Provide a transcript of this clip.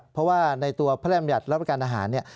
เพราะว่าในตัวพระรามยัตรและอำนาจการอาหารเนี่ย